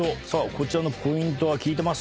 こちらのポイントは聞いてます？